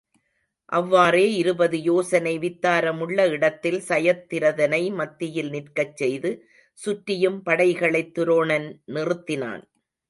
அவ்வாறே இருபது யோசனை வித்தாரமுள்ள இடத்தில் சயத்திரதனை மத்தியில் நிற்கச் செய்து சுற்றியும் படைகளைத் துரோணன் நிறுத்தினான்.